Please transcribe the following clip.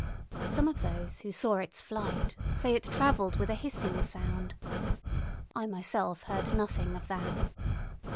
Some of those who saw its flight say it travelled with a hissing sound. I myself heard nothing of that.